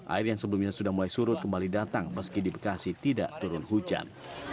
air yang sebelumnya sudah mulai surut kembali datang meski di bekasi tidak turun hujan